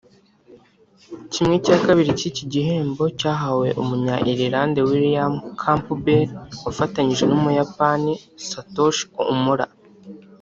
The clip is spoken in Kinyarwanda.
Kimwe cya kabiri cy’iki gihembo cyahawe umunya Ireland William Campbell wafatanyije n’Umuyapani Satoshi Omura